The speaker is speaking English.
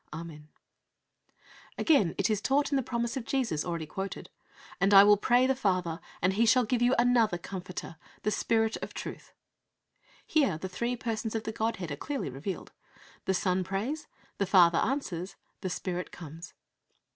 Amen" (2 Cor. xiii. 14). Again, it is taught in the promise of Jesus, already quoted, "And I will pray the Father, and He shall give you another Comforter... the Spirit of Truth" (John xiv. 16, 17). Here the three Persons of the Godhead are clearly revealed. The Son prays; the Father answers; the Spirit comes.